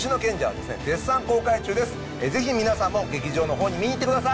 ぜひ皆さんも劇場の方に見に行ってください。